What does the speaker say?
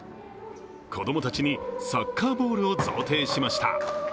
子供たちにサッカーボールを贈呈しました。